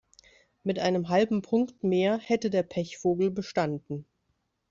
Mit einem halben Punkt mehr hätte der Pechvogel bestanden.